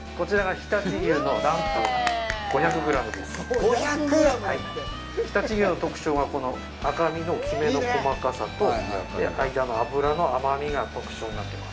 常陸牛の特徴は、この赤身のキメの細かさと間の脂の甘みが特徴になってます。